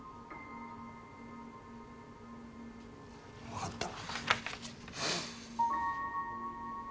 分かった。